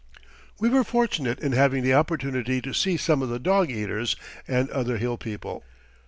We were fortunate in having the opportunity to see some of the dog eaters and other hill people.